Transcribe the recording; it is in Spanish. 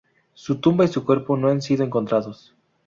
Su tumba y su cuerpo no han sido encontrados.